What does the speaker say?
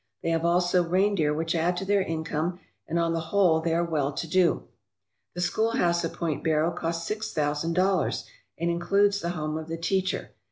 They have also reindeer which add to their income, and on the whole they are well to do. The schoolhouse at Point Barrow cost six thousand dollars, and includes the home of the teacher.